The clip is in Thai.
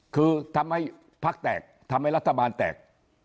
คือทำให้พักแตกทำให้รัฐบาลแตก